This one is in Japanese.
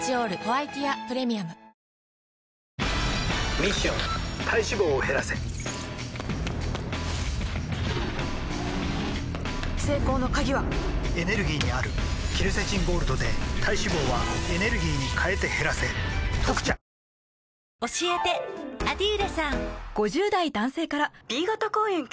ミッション体脂肪を減らせ成功の鍵はエネルギーにあるケルセチンゴールドで体脂肪はエネルギーに変えて減らせ「特茶」こころの底からのどが渇いた「カルピスウォーター」頑張れー！